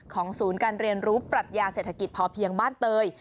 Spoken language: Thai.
ศูนย์การเรียนรู้ปรัชญาเศรษฐกิจพอเพียงบ้านเตย